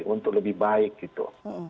untuk lebih baik gitu